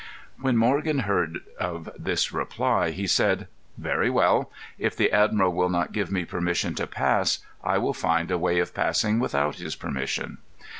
When Morgan heard of this reply he said: "Very well; if the admiral will not give me permission to pass, I will find a way of passing without his permission."